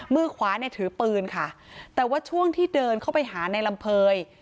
มือขวาเนี่ยถือปืนค่ะแต่ว่าช่วงที่เดินเข้าไปหาในลำเภย